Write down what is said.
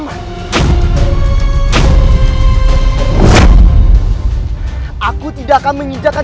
masuklah ke dalam